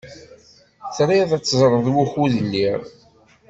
Triḍ ad teẓṛeḍ wukud lliɣ?